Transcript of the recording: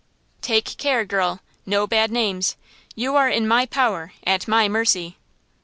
"Take care, girl–no bad names! You are in my power–at my mercy!"